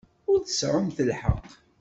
Ur tseɛɛumt lḥeqq.